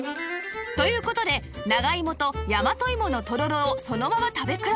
という事で長芋と大和芋のとろろをそのまま食べ比べ